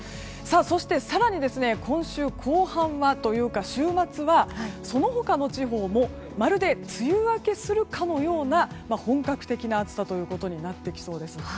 そして、更に今週後半はというか週末は、その他の地方もまるで梅雨明けするかのような本格的な暑さとなってきそうです。